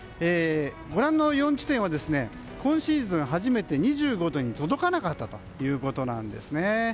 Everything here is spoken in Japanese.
ご覧の４地点は今シーズン初めて２５度に届かなかったということです。